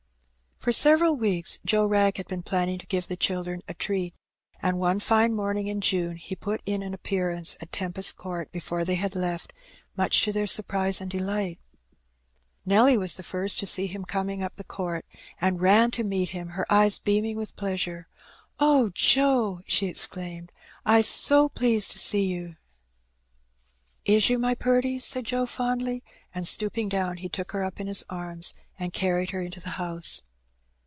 For several weeks Joe Wrag had been planning to give the children a treat; and one fine morning in June he put in an appearance at Tempest Court before they had left, much to their surprise and delight. Nelly was the first to see him coming up the court, and ran to meet him, her eyes beaming with pleasure. "Oh, Joe,'' she exclaimed, " Ps so pleased to see you !'' "Is you, my purty?'' said Joe, fondly; and, stooping down, he took her up in his arms, and carried her into the house.